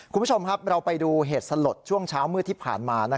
คุณผู้ชมครับเราไปดูเหตุสลดช่วงเช้ามืดที่ผ่านมา